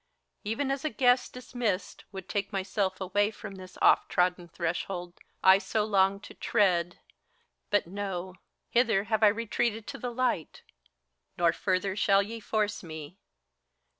Even as a guest dismissed^ would take myself away From this oft trodden threshold I so longed to tread. But, no ! hither have I retreated to the light ; Nor further shall ye force me.